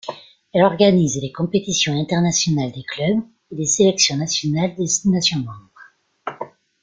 Elle organise les compétitions internationales des clubs et des sélections nationales des nations membres.